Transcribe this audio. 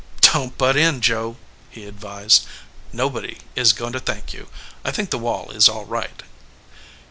"Don t butt in, Joe," he advised. "Nobody is going to thank you. I think the wall is all right."